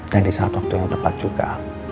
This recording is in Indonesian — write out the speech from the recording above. dan di saat waktu yang tepat juga